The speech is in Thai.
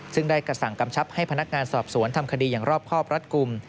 ซึ่งได้กระสั่งกำชับให้พนักงานสอบสวนทำคดีอย่างรอบครอบรัดกลุ่ม